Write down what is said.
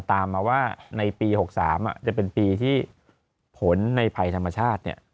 ตามมาว่าในปี๖๓จะเป็นปีที่ผลในภัยธรรมชาติ